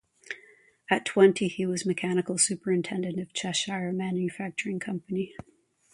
At twenty he was Mechanical Superintendent of Cheshire Manufacturing Company.